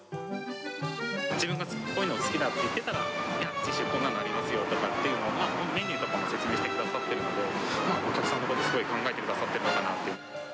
自分がこういうの好きだって言ってたら、次週こんなのありますよとか、メニューとかも説明してくださっているので、すごくお客さんのこと、すごい考えてくださっているのかなと。